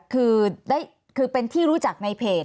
คือเป็นที่รู้จักในเพจ